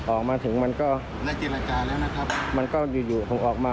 ออกมาถึงมันก็มันก็อยู่อยู่ผมออกมา